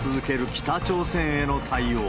北朝鮮への対応。